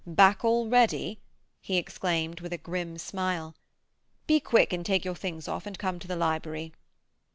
"Back already?" he exclaimed, with a grim smile. "Be quick, and take your things off, and come to the library."